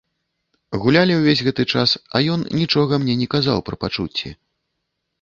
Гулялі ўвесь гэты час, а ён нічога мне не казаў пра пачуцці.